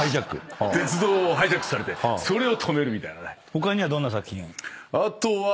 他にはどんな作品？